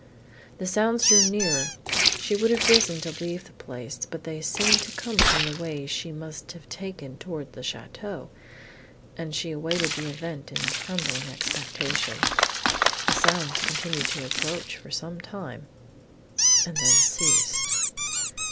The sounds drew nearer. She would have risen to leave the place, but they seemed to come from the way she must have taken towards the château, and she awaited the event in trembling expectation. The sounds continued to approach, for some time, and then ceased.